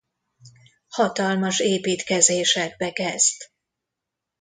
Hatalmas építkezésekbe kezd.